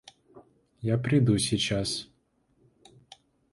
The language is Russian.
Я приду сейчас.